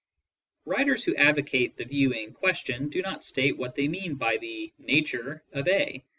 Writers who advocate the view in question do not state what they mean by the "nature" of a.